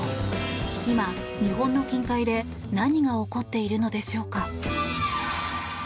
今、日本の近海で何が起こっているのでしょうか。